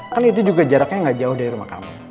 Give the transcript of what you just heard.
kan itu juga jaraknya gak jauh dari rumah kamu